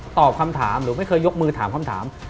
ตอบคำถามหรือไม่เคยยกมือถามคำถาม